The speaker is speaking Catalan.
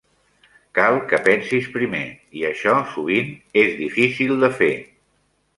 Cal que pensis primer, i això sovint és difícil de fer.